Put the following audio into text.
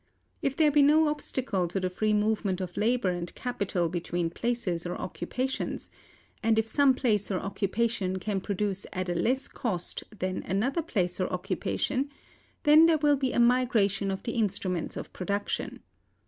If there be no obstacle to the free movement of labor and capital between places or occupations, and if some place or occupation can produce at a less cost than another place or occupation, then there will be a migration of the instruments of production.